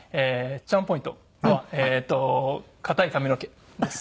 チャームポイントは硬い髪の毛です。